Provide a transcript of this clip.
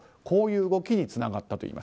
こういう動きにつながったと。